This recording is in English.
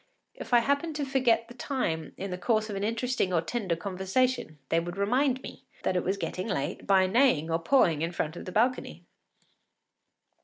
If I happened to forget the time in the course of an interesting or tender conversation they would remind me it was getting late by neighing or pawing in front of the balcony.